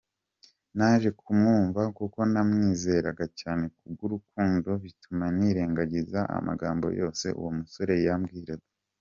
Naje kumwumva kuko namwizeraga cyane kubw’urukundo bituma nirengagiza amagambo yose uwo musore yambwiraga.